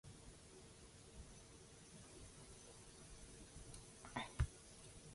Rob's son attended the University of Kent in the United Kingdom.